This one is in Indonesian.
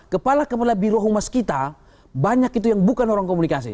kepala kepala biro hukum mas kita banyak itu yang bukan orang komunikasi